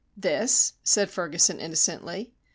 "This?" said Ferguson, innocently.